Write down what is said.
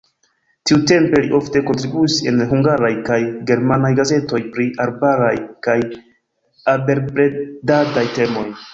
Tiutempe li ofte kontribuis en hungaraj kaj germanaj gazetoj pri arbaraj kaj abelbredadaj temoj.